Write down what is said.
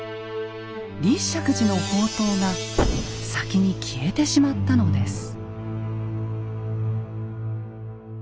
立石寺の法灯が先に消えてしまったのです。